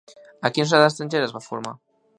A quina ciutat estrangera es va formar?